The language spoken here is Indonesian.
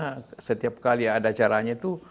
kalau sekali ada caranya itu